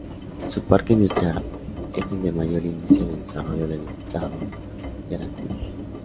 Su parque industrial es el de mayor índice de desarrollo del estado Yaracuy.